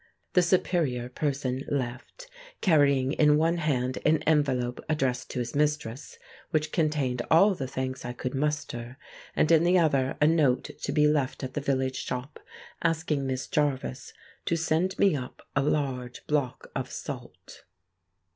The superior person left, carrying in one hand an envelope addressed to his mistress, which contained all the thanks I could muster, and in the other a note to be left at the village shop, asking Miss Jarvis to send me up a large block of salt.